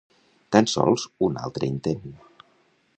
Tan sols un altre intent.